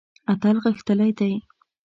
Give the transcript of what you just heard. اتل غښتلی دی.